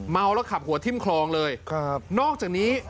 เมาแล้วขับหัวทิ้มคลองเลยครับนอกจากนี้